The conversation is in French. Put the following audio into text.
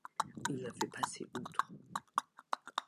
Il avait passé outre.